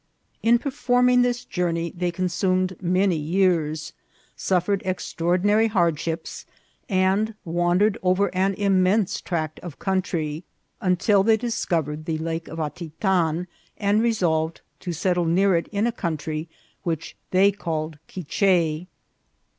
In performing this journey they consumed many years, suffered extraordi nary hardships, and wandered over an immense tract of country, until they discovered the Lake of Atitan, and resolved to settle near it in a country which they called Quiche.